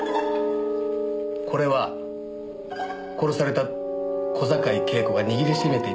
これは殺された小坂井恵子が握り締めていたボタンです。